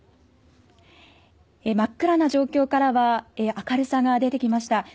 真っ暗な状況からは明るさが出てきました。